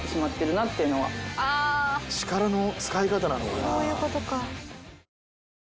そういうことか。